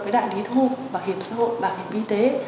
bảo hiểm y tế bảo hiểm xã hội bảo hiểm y tế